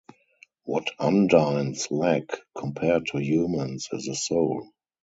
What undines lack, compared to humans, is a soul.